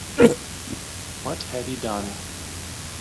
What had he done?